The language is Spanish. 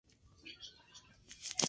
Murió antes de poder decir nada.